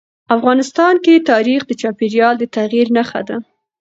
افغانستان کې تاریخ د چاپېریال د تغیر نښه ده.